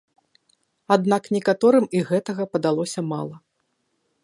Аднак некаторым і гэтага падалося мала.